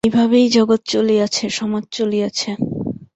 এইভাবেই জগৎ চলিয়াছে, সমাজ চলিয়াছে।